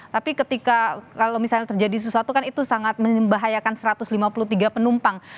tapi ketika kalau misalnya terjadi sesuatu kan itu sangat membahayakan satu ratus lima puluh tiga penumpang